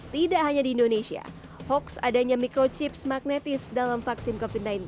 tidak hanya di indonesia hoax adanya microchips magnetis dalam vaksin covid sembilan belas